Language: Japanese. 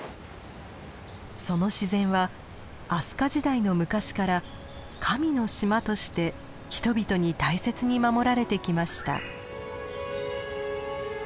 その自然は飛鳥時代の昔から「神の島」として人々に大切に守られてきました。